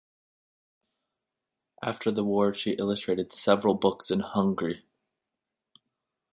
After the war she illustrated several books in Hungary.